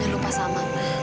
dan lupa sama mas